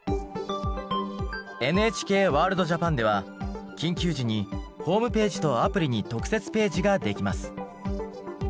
ＮＨＫワールドＪＡＰＡＮでは緊急時にホームページとアプリに特設ページができます。